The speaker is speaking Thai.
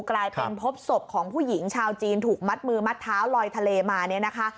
กลายเป็นพบศพของผู้หญิงชาวจีนถูกมัดมือมัดเท้าลอยทะเลมาเนี่ยนะคะ